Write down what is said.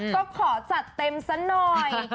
ก็ขอจัดเต็มซะหน่อย